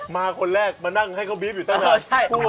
มาคนแรกมานั่งให้เขาบีฟอยู่ใต้น้ำ